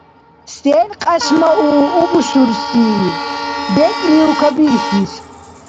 – Сен кьяшмау убуршуси? БекӀлиу кабирхьис.